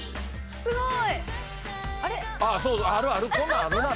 すごい！